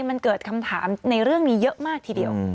มันเกิดคำถามในเรื่องนี้เยอะมากทีเดียว